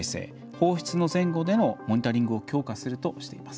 放出の前後でのモニタリングを強化するとしています。